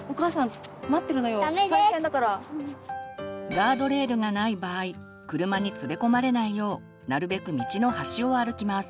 ガードレールがない場合車に連れ込まれないようなるべく道の端を歩きます。